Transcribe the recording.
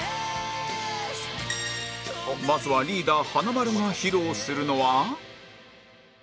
まずはリーダー華丸が披露するのは